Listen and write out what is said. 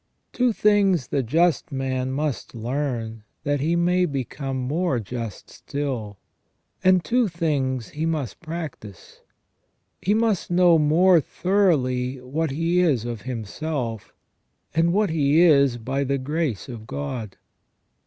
Two things the just man must learn that he may become more just still, and two things he must practise. He must know more thoroughly what he is of himself, and what he is by the grace of God.